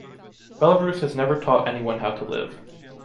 Belarus has never taught anyone how to live.